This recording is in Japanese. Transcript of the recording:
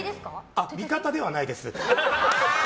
あ、味方ではないです。